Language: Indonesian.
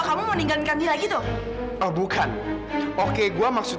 semuanya lagi istirahat